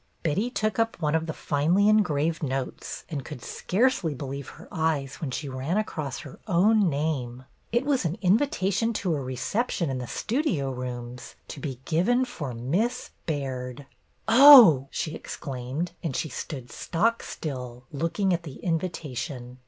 Betty took up one of the finely engraved notes and could scarcely believe her eyes when she ran across her own name. It was an invita SUCCESS 315 tion to a reception in the studio rooms to be given for Miss Baird/' Oh !" she exclaimed, and she stood stockstill, looking at the invitation.